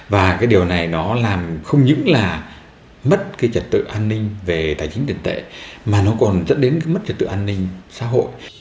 và cái điều này nó làm không những là mất cái trật tự an ninh về tài chính tiền tệ mà nó còn dẫn đến cái mất trật tự an ninh xã hội